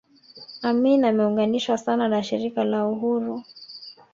Amin ameunganishwa sana na Shirika la Uhuru